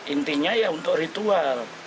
intinya ya untuk ritual